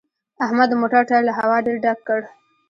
احمد د موټر ټایر له هوا ډېر ډک کړ